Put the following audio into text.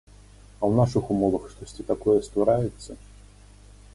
А ў нашых умовах штосьці такое ствараецца?